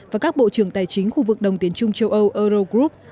và các bộ trưởng tài chính khu vực đồng tiến chung châu âu eurogroup